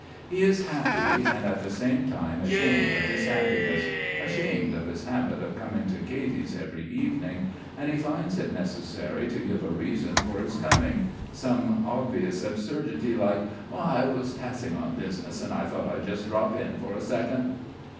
He is happy and at the same time ashamed of his happiness, ashamed of his habit of coming to Katy's every evening, and he finds it necessary to give a reason for his coming, some obvious absurdity, like: "I was passing on business, and I thought I'd just drop in for a second."